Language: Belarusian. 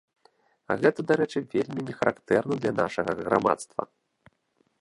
А гэта, дарэчы, вельмі не характэрна для нашага грамадства.